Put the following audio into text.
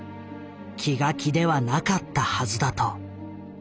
気が気ではなかったはずだと。